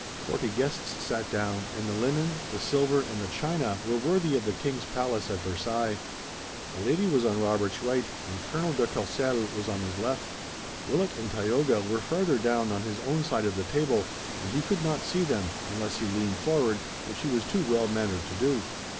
Forty guests sat down, and the linen, the silver and the china were worthy of the King's palace at Versailles. A lady was on Robert's right and Colonel de Courcelles was on his left. Willet and Tayoga were farther down on his own side of the table, and he could not see them, unless he leaned forward, which he was too well mannered to do.